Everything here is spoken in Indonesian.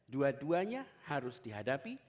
dua duanya harus dihadapi